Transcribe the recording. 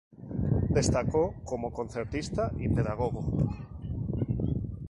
Destacó como concertista y pedagogo.